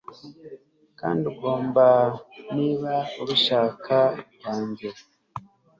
Kandi ugomba niba ubishaka wange